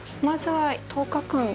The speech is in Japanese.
まずは１０日間。